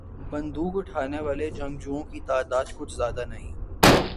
بندوق اٹھانے والے جنگجوؤں کی تعداد کچھ زیادہ نہیں۔